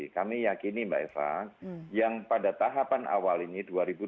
kami yakini mbak eva yang pada tahapan awal ini dua ribu dua puluh dua ribu dua puluh satu